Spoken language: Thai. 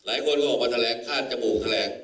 หลายคนก็ออกมาแทรกคาดจมูกแทรก